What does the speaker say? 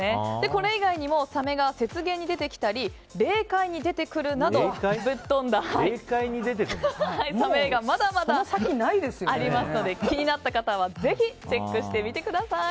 これ以外にもサメが雪原に出てきたり霊界に出てくるなどぶっ飛んだサメ映画、まだまだありますので気になった方はぜひチェックしてみてください。